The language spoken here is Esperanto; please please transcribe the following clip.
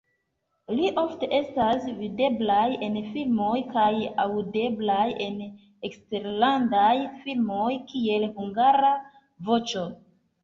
Li ofte estas videblaj en filmoj kaj aŭdeblaj en eksterlandaj filmoj (kiel hungara voĉo).